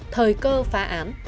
thời cơ phá án